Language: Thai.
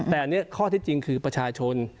แต่อันนี้ข้อที่จริงคือประชาชน